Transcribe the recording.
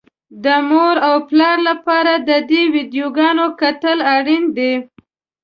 د مور او پلار لپاره د دې ويډيوګانو کتل اړين دي.